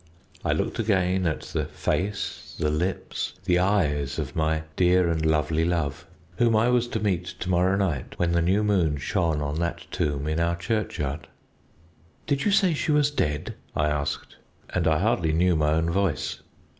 "I looked again at the face, the lips, the eyes of my dear and lovely love, whom I was to meet to morrow night when the new moon shone on that tomb in our churchyard. "'Did you say she was dead?' I asked, and I hardly knew my own voice.